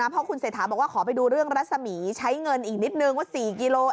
เพราะคุณเศรษฐาบอกว่าขอไปดูเรื่องรัศมีใช้เงินอีกนิดนึงว่า๔กิโล